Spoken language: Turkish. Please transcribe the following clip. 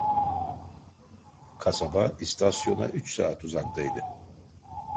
Kasaba, istasyona üç saat uzaktaydı.